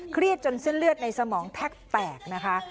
เครียดจนเส้นเลือดในสมองแท็กแตกนะคะ